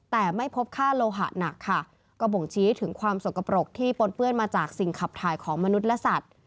แต่ไม่พบค่าโลหะหนักค่ะก็บ่งชี้ถึงความสกปรกที่ปนเปื้อนมาจากสิ่งขับถ่ายของมนุษย์และสัตว์